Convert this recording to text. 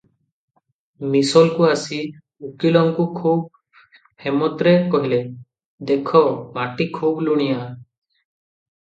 ମିସଲକୁ ଆସି ଉକୀଲଙ୍କୁ ଖୁବ୍ ହେମତରେ କହିଲେ, "ଦେଖ, ମାଟି ଖୁବ୍ ଲୁଣିଆ ।"